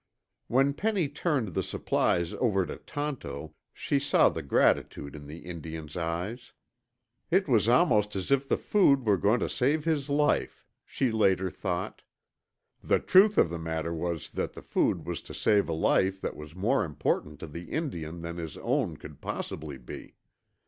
When Penny turned the supplies over to Tonto, she saw the gratitude in the Indian's eyes. "It was almost as if the food were going to save his life," she later thought. The truth of the matter was that the food was to save a life that was more important to the Indian than his own could possibly be.